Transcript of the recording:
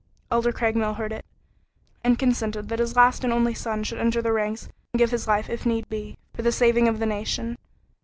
Elder Craigmile heard it, and consented that his last and only son should enter the ranks and give his life, if need be, for the saving of the nation.